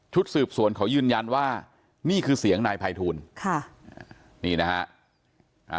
สืบสวนเขายืนยันว่านี่คือเสียงนายภัยทูลค่ะนี่นะฮะอ่า